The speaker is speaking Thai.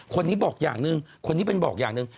คนนี้บอกอย่างหนึ่งคนนี้เป็นบอกอย่างหนึ่ง